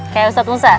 kayak ustadz musa